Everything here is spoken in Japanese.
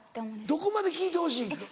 どこまで聞いてほしい？